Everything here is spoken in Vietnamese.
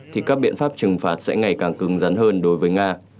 thì các biện pháp trừng phạt sẽ ngày càng cứng rắn hơn đối với nga